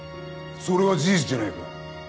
それは事実じゃないか。